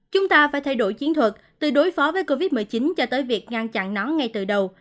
chúng ta phải thay đổi chiến thuật từ đối phó với covid một mươi chín cho tới việc ngăn chặn nó ngay từ đầu